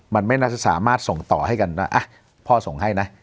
มันไม่น่าจะสามารถส่งต่อให้กันว่าพ่อส่งให้นะ